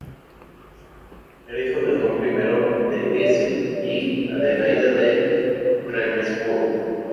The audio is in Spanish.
Era hijo de Otón I de Hesse y Adelaida de Ravensburg.